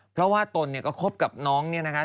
เพราะว่าตนเนี่ยก็คบกับน้องเนี่ยนะคะ